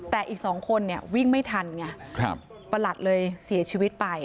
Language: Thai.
แต่อีก๒คนเนี่ยวิ่งไม่ทันไงประหลัดเลยเสียชีวิตไป